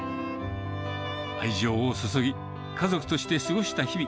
愛情を注ぎ、家族として過ごした日々。